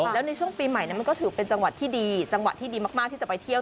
แล้วในช่วงปีใหม่นั้นมันก็ถือเป็นจังหวัดที่ดีจังหวะที่ดีมากที่จะไปเที่ยว